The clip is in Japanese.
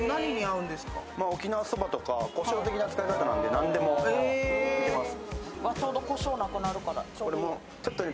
沖縄そばとか、こしょう的な使い方なので何でも合います。